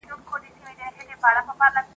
لکه دروېش لکه د شپې قلندر ..